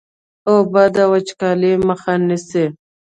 اوبه د وچکالۍ مخه نیسي.